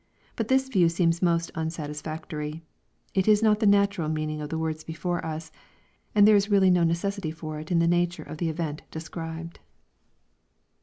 But this view seems most unsatisfactory. It is not the natural meaning of the words before us, and there is really no necessity for it in the nature of the event described.